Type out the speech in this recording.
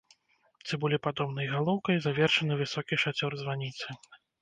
Цыбулепадобнай галоўкай завершаны высокі шацёр званіцы.